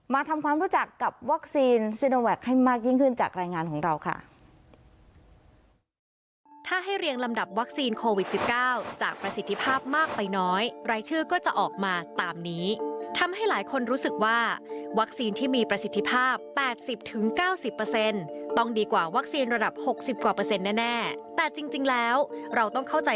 มาทำความรู้จักกับวัคซีนซีโนแวคให้มากยิ่งขึ้นจากรายงานของเราค่ะ